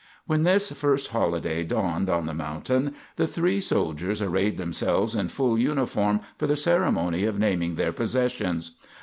When this first holiday dawned on the mountain, the three soldiers arrayed themselves in full uniform for the ceremony of naming their possessions.